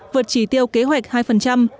vượt chỉ tiêu kế hoạch hai